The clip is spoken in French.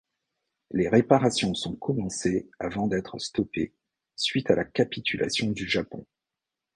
Les réparations sont commencées avant d'être stoppées suite à la capitulation du Japon.